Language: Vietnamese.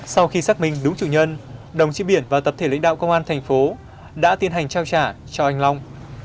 sau khi xác minh đúng chủ nhân đồng chí biển và tập thể lãnh đạo công an thành phố đã tiến hành trao trả cho anh long